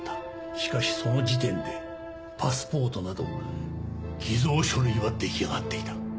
しかしその時点でパスポートなどの偽造書類は出来上がっていた。